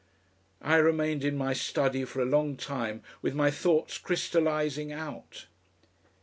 I remained in my study for a long time with my thoughts crystallising out....